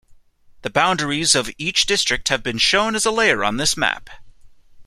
The boundaries of each district have been shown as a layer on this map.